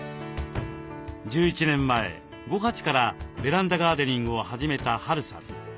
１１年前５鉢からベランダガーデニングを始めたＨ・Ａ・Ｒ・Ｕさん。